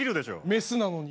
メスなのに。